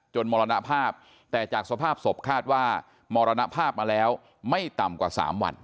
มรณภาพแต่จากสภาพศพคาดว่ามรณภาพมาแล้วไม่ต่ำกว่า๓วัน